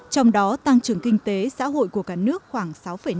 trong đó tăng trưởng kinh tế xã hội của cả nước khoảng sáu năm